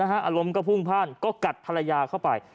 อารมณ์ก็พุ่งพ่านก็กัดภรรยาเข้าไป